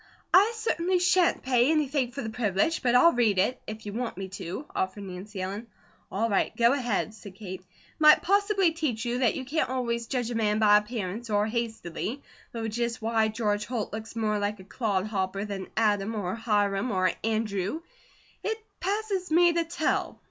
"I certainly shan't pay anything for the privilege, but I'll read it, if you want me to," offered Nancy Ellen. "All right, go ahead," said Kate. "It might possibly teach you that you can't always judge a man by appearance, or hastily; though just why George Holt looks more like a 'clod hopper' than Adam, or Hiram, or Andrew, it passes me to tell."